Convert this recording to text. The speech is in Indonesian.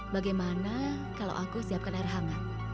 bagaimana kalau aku siapkan air hangat